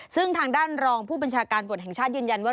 ซึ่งทางด้านรองผู้บัญชาการตำรวจแห่งชาติยืนยันว่า